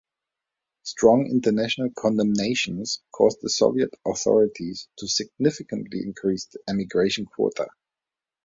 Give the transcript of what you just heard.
Strong international condemnations caused the Soviet authorities to significantly increase the emigration quota.